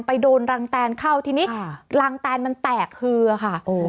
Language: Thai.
ไปโดนรังแตนเข้าทีนี้รังแตนมันแตกฮือค่ะ